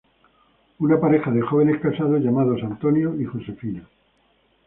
Una pareja de jóvenes casados llamados Antonio y Josefina.